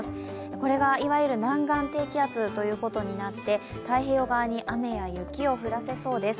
これがいわゆる南岸低気圧ということになって太平洋側に雨や雪を降らせそうです。